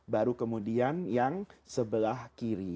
baru kemudian yang sebelah kiri